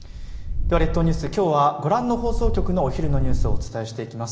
では列島ニュース、きょうはご覧の放送局のお昼のニュースをお伝えしていきます。